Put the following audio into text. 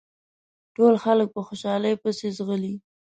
ټول خلک په خوشحالۍ پسې ځغلي.